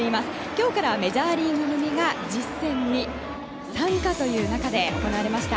今日からメジャーリーグ組が実戦に参加という中で行われました。